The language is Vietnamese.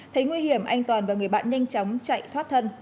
thấy nguy hiểm anh toàn và người bạn nhanh chóng chạy thoát thân